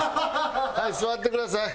はい座ってください。